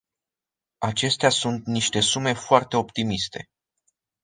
Acestea sunt niște sume foarte optimiste.